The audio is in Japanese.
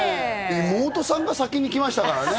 妹さんが先に来ましたからね